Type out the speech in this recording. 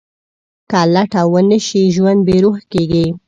که لټه ونه شي، ژوند بېروح کېږي.